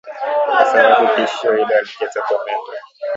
kwa sababu tishio hilo halijatokomezwa